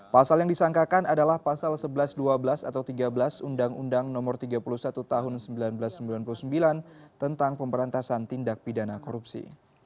pasal yang disangkakan adalah pasal sebelas dua belas atau tiga belas undang undang no tiga puluh satu tahun seribu sembilan ratus sembilan puluh sembilan tentang pemberantasan tindak pidana korupsi